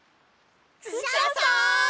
クシャさん！